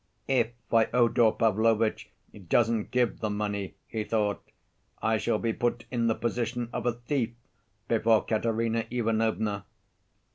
'If Fyodor Pavlovitch doesn't give the money,' he thought, 'I shall be put in the position of a thief before Katerina Ivanovna.